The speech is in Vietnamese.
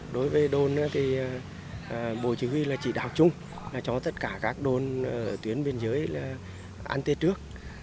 đối với đồn thì bộ chỉ huy là chỉ đạo chung cho tất cả các đồn ở tuyến biên giới ăn tết trước